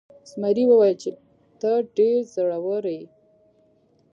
زمري وویل چې ته ډیر زړور یې.